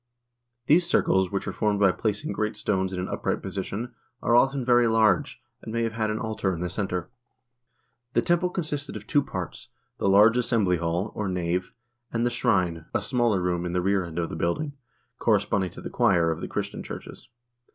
1 These circles, which are formed by placing great stones in an upright position, are often very large, and may have had an altar in the center. The temple consisted of two parts; the large assembly hall, or nave, and the shrine, a smaller room in the rear end of the building, corresponding to the choir of the Christian churches.